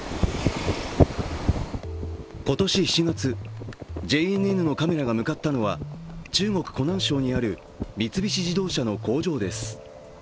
今年７月、ＪＮＮのカメラが向かったのは中国・湖南省にある三菱自動車の工場です。